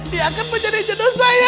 dia akan menjadi judul saya